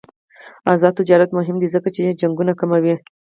آزاد تجارت مهم دی ځکه چې جنګونه کموي.